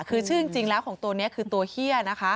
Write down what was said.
คือชื่อจริงแล้วของตัวนี้คือตัวเฮียนะคะ